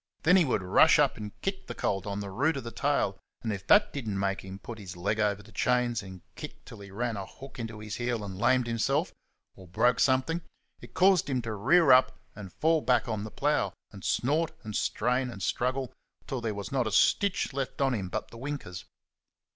Then he would rush up and kick the colt on the root of the tail, and if that did n't make him put his leg over the chains and kick till he ran a hook into his heel and lamed himself, or broke something, it caused him to rear up and fall back on the plough and snort and strain and struggle till there was not a stitch left on him but the winkers.